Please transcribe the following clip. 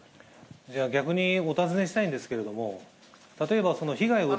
じゃあ、逆にお尋ねしたいんですけれども、例えば被害を。